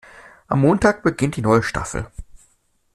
Am Montag beginnt die neue Staffel.